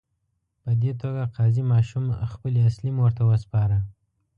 په دې توګه قاضي ماشوم خپلې اصلي مور ته وسپاره.